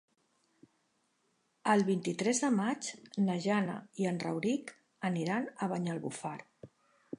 El vint-i-tres de maig na Jana i en Rauric aniran a Banyalbufar.